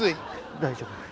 大丈夫。